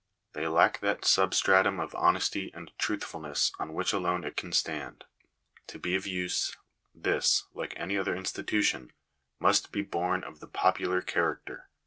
They lack that substratum of honesty and truthfulness on which alone it can stand. To be of use, this, like any other institution, must be born of the popular character.